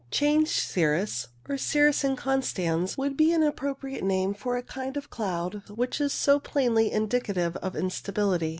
CHANGE CIRRUS 39 Change cirrus, or cirrus inconstans, would be an appropriate name for a kind of cloud which is so plainly indicative of instability.